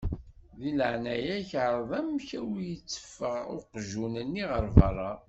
Deg leεnaya-k εreḍ amek ur iteffeɣ uqjun-nni ɣer berra.